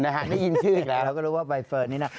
ได้ยินชื่ออีกแล้วเราก็รู้ว่าใบเฟิร์นนี่น่ะ